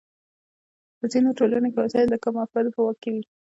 په ځینو ټولنو کې وسایل د کمو افرادو په واک کې وي.